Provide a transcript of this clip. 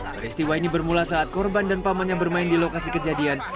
peristiwa ini bermula saat korban dan paman yang bermain di lokasi kejadian